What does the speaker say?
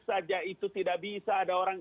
saja itu tidak bisa ada orang